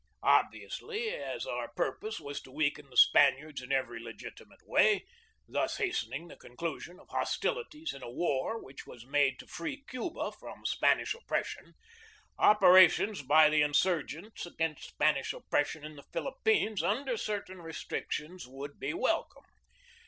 Obviously, as our purpose was to weaken the Span iards in every legitimate way, thus hastening the conclusion of hostilities in a war which was made to free Cuba from Spanish oppression, operations by the insurgents against Spanish oppression in the Philippines under certain restrictions would be wel come.